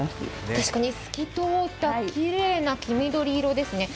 確かに透き通ったきれいな黄緑色ですね。